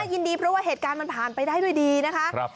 ยินดีเพราะว่าเหตุการณ์มันผ่านไปได้ด้วยดีนะคะ